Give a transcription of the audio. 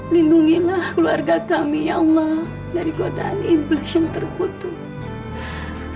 lindungilah keluarga kami ya allah dari godaan implison terkutuk